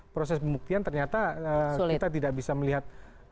proses pembuktian ternyata kita tidak bisa melihat